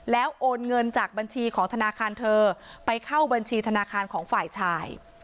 แล้วโอนเงินจากบัญชีของธนาคารเธอไปเข้าบัญชีธนาคารของฝ่ายชาย